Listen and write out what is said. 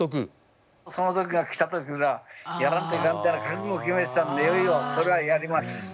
その時が来た時はやらんといかんみたいな覚悟を決めてたんでいよいよそれはやります。